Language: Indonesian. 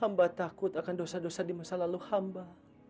tambah takut akan dosa dosa di masa lalu hamba